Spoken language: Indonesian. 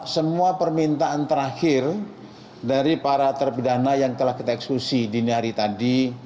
semua permintaan terakhir dari para terpidana yang telah kita eksklusi di hari ini